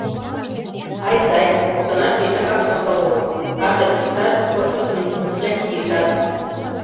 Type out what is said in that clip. Ай-сай... коктынат пешакак мотор улыт: картычкыштат, койкышто нюслен кийышат...